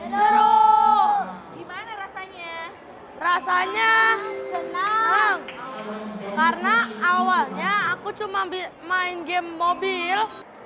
seru gimana rasanya rasanya senang karena awalnya aku cuma main game mobil